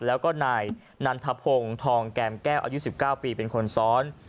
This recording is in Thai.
แล้วก็นายนันทพงศ์ทองแก่มแก้วอายุ๑๙ปีเป็นคนซ้อน